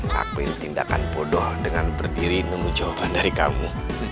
lakuin tindakan bodoh dengan berdiri menunggu jawaban dari kamu